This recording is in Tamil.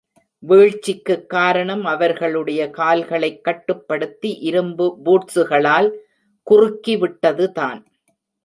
வீழ்ச்சிக்குக் காரணம் அவர்களுடைய கால்களைக் கட்டுப்படுத்தி இரும்பு பூட்சுகளால் குறிக்கிவிட்டதுதான்.